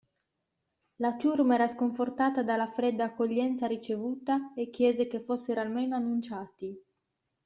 La ciurma era sconfortata dalla fredda accoglienza ricevuta e chiese che fossero almeno annunciati.